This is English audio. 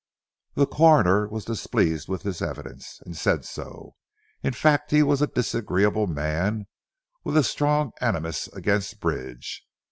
The Coroner was displeased with this evidence, and said so. In fact he was a disagreeable man, with a strong animus against Bridge.